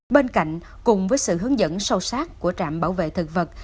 bên cạnh cùng với sự hướng dẫn sâu sát của trạm bảo vệ thực vật